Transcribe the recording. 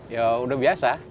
ya udah biasa